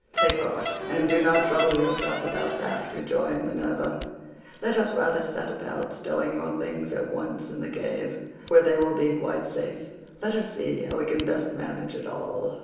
"Take heart, and do not trouble yourself about that," rejoined Minerva, "let us rather set about stowing your things at once in the cave, where they will be quite safe. Let us see how we can best manage it all."